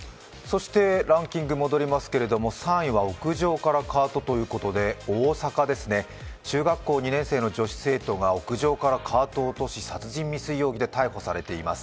３位は屋上からカートということで、大阪ですね、中学校２年生の女子生徒が屋上からカートを落とし、殺人未遂容疑で逮捕されています。